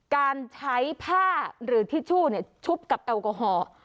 การใช้ผ้าหรือทิชชู่ชุบกับแอลกอฮอล์